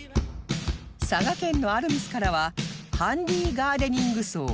佐賀県のアルミスからはハンディーガーデニングソー